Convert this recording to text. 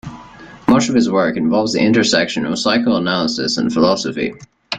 Much of his work involves the intersection of psychoanalysis and philosophy.